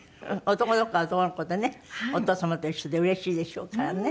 男の子は男の子でねお父様と一緒でうれしいでしょうからね。